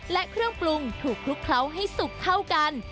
และเครื่องปรุงที่ทุกขลุ่มเขาให้สุกเท่ากัน